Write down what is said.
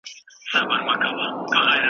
ایا تکړه پلورونکي بادام ساتي؟